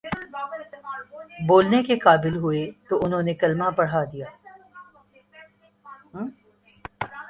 بولنے کے قابل ہوئے تو انہوں نے کلمہ پڑھادیا